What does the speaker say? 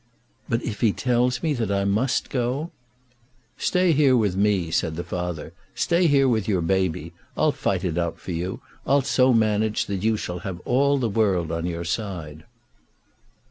"But if he tells me that I must go?" "Stay here with me," said the father. "Stay here with your baby. I'll fight it out for you. I'll so manage that you shall have all the world on your side."